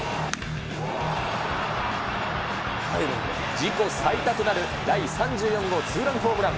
自己最多となる第３４号ツーランホームラン。